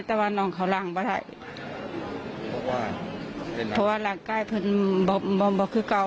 แต่ว่าน้องเขาร่างตัวไว้พอหลังใกล้พึนบอกคือเก่า